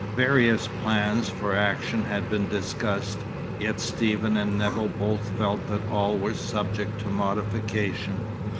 Various plans for action had been discussed, yet Stephen and Nevill both felt that all were subject to modification.